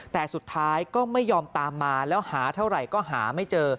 แต่สุดท้ายก็ไม่ยอมตามมาแล้วหาเท่าไหร่ก็หาไม่เจอ